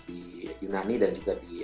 di yunani dan juga di